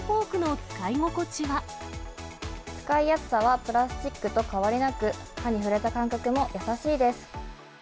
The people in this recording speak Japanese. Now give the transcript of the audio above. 使いやすさは、プラスチックと変わりなく、歯に触れた感覚も優しいです。